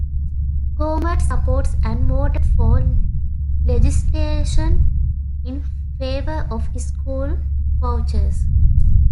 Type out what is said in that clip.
Gohmert supports and voted for legislation in favor of school vouchers.